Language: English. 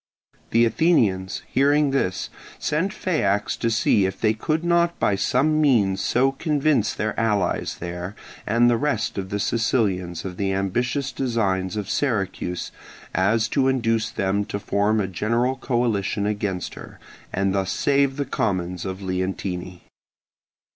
The Athenians hearing this, sent Phaeax to see if they could not by some means so convince their allies there and the rest of the Sicilians of the ambitious designs of Syracuse as to induce them to form a general coalition against her, and thus save the commons of Leontini.